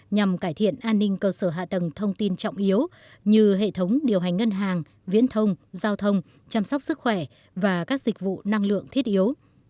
nhằm cải thiện an ninh cơ sở hạ tầng thông tin trọng yếu như hệ thống điều hành ngân hàng viễn thông giao thông chăm sóc sức khỏe và các dịch vụ năng lượng thiết yếu